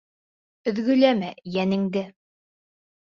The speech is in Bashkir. Өҙгөләмә йәнеңде.